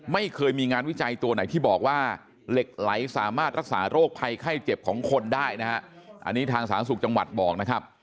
ไม่เคยมีงานวิจัยตัวไหนที่บอกว่าเหล็กไหลสามารถรักษาโรคภัยไข้เจ็บของคนได้นะฮะอันนี้ทางสาธารณสุขจังหวัดบอกนะครับ